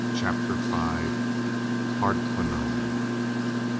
CHAPTER V. HARDQUANONNE.